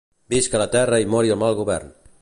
Visca la terra i mori el mal govern!